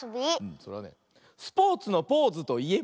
それはね「スポーツのポーズといえば？」。